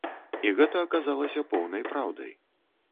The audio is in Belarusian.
І гэта аказалася поўнай праўдай.